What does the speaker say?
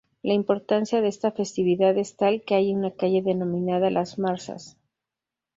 La importancia de esta festividad es tal, que hay una calle denominada Las Marzas.